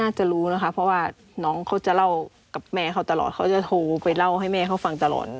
จะรู้นะคะเพราะว่าน้องเขาจะเล่ากับแม่เขาตลอดเขาจะโทรไปเล่าให้แม่เขาฟังตลอด